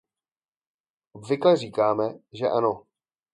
Obvykle říkáme, že ano.